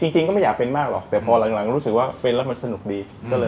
จริงก็ไม่อยากเป็นมากหรอกแต่พอหลังรู้สึกว่าเป็นแล้วมันสนุกดี